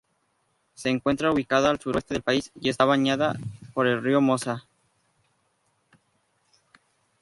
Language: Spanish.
Se encuentra ubicada al sureste del país, y esta bañada por el río Mosa.